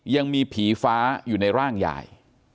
ยังมีผีฟ้าอยู่ในร่างยาย